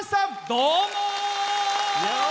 どうも。